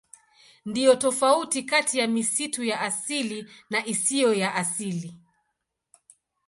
Ndiyo tofauti kati ya misitu ya asili na isiyo ya asili.